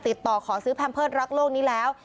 ติดต่อขอซื้อแพมเพิร์ตรักโลกนี้แล้ว